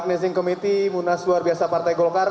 kami ingin meminta ketua umum dpp partai golkar